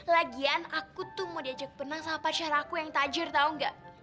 lagian aku tuh mau diajak benang sama pacar aku yang tajr tau gak